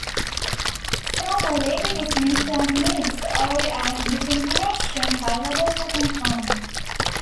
Some were later dismissed as myths or as disinformation, but others were confirmed.